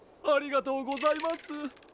ありがとうございます。